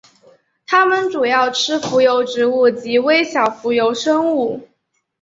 它们主要吃浮游植物及微小浮游生物。